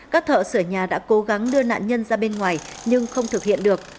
các thợ sửa nhà đã cố gắng đưa nạn nhân ra bên ngoài nhưng không thực hiện được